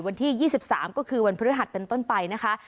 วันที่๒๓ก็คือวันพฤหัสเป็นต้นไปนะคะ